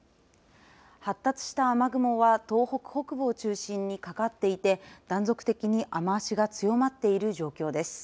発達した雨雲は東北北部を中心にかかっていて断続的に雨足が強まっている状況です。